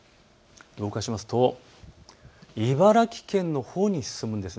動かしますと茨城県のほうに進んでいます。